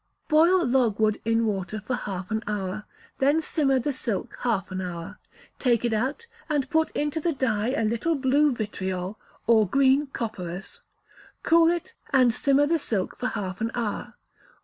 Boil logwood in water for half an hour; then simmer the silk half an hour; take it out, and put into the dye a little blue vitriol, or green copperas; cool it, and simmer the silk for half an hour.